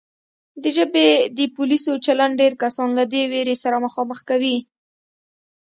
د ژبې د پولیسو چلند ډېر کسان له دې وېرې سره مخامخ کوي